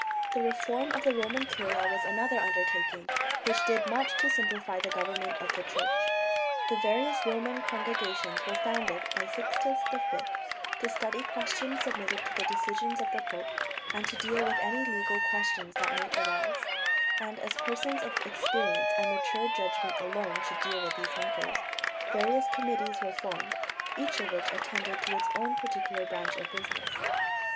The reform of the Roman Curia was another undertaking, which did much to simplify the government of the Church. The various Roman Congregations were founded by Sixtus V to study questions submitted to the decision of the pope and to deal with any legal questions that might arise; and as persons of experience and mature judgement alone should deal with these matters, various committees were formed, each of which attended to its own particular branch of business.